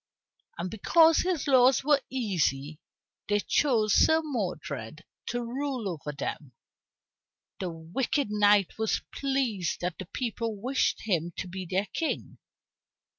And because his laws were easy, these chose Sir Modred to rule over them. The wicked knight was pleased that the people wished him to be their king.